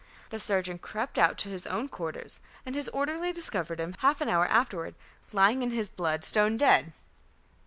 The surgeon crept out to his own quarters, and his orderly discovered him half an hour afterward lying in his blood stone dead."